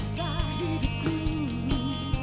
yang ada di sini